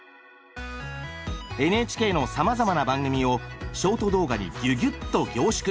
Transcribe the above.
ＮＨＫのさまざまな番組をショート動画にギュギュっと凝縮！